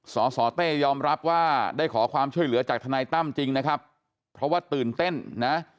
สสเต้ยอมรับว่าได้ขอความช่วยเหลือจากทนายตั้มจริงนะครับเพราะว่าตื่นเต้นนะ